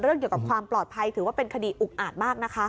เกี่ยวกับความปลอดภัยถือว่าเป็นคดีอุกอาจมากนะคะ